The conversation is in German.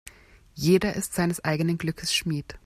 Jeder ist seines eigenen Glückes Schmied.